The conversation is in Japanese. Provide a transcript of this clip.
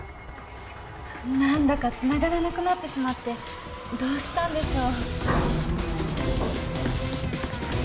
何だかつながらなくなってしまってどうしたんでしょう